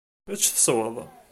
Ečč tesweḍ.